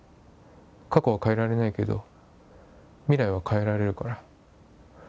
過去は変えられないけど、未来は変えられるから。